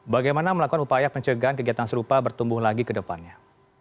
bagaimana melakukan upaya pencegahan kegiatan serupa bertumbuh lagi ke depannya